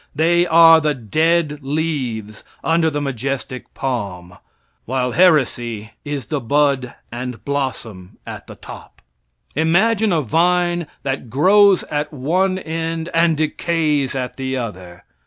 They are the dead leaves under the majestic palm; while heresy is the bud and blossom at the top. Imagine a vine that grows at one end and decays at the other.